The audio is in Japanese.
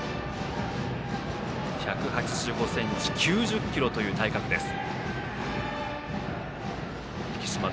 １８５ｃｍ、９０ｋｇという体格です。